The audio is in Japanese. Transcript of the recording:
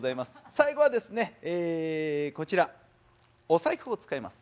最後はですねこちらお財布を使います。